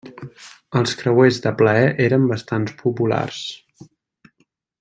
Els creuers de plaer eren bastant populars.